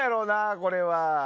これは。